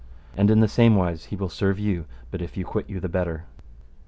And in the same wise he will serve you but if you quit you the better.